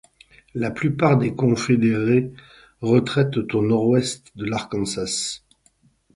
La plupart des confédérés retraitent au nord-ouest de l'Arkansas.